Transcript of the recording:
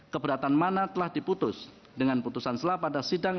keberatan mana telah diputus dengan putusan selah pada sidang